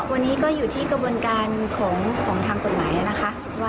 วันนี้ก็อยู่ที่กระบวนการของทางกฎหมายนะคะ